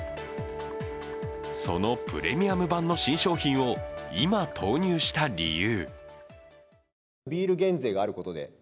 そのプレミアム版の新商品を今投入した理由。